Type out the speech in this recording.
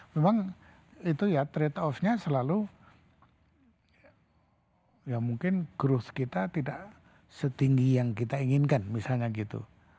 memang itu ya trade off nya selalu ya mungkin growth kita tidak setinggi yang kita inginkan misalnya gitu